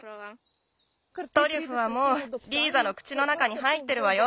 トリュフはもうリーザの口の中に入ってるわよ。